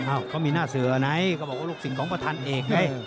เขามีหน้าเสือไงเขาบอกว่าลูกศิษย์ของประธานเอกไง